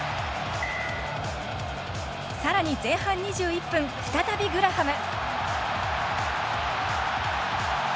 さらに前半２１分、再びグラハム。